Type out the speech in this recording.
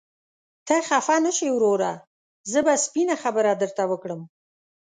ته خفه نشې وروره، زه به سپينه خبره درته وکړم.